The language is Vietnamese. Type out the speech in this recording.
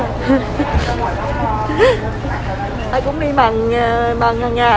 cái này cũng đi bằng hàng ngày